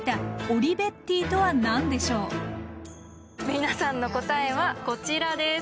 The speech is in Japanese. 皆さんの答えはこちらです！